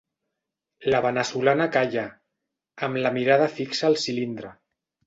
La veneçolana calla, amb la mirada fixa al cilindre.